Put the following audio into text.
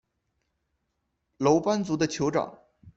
楼班族的酋长。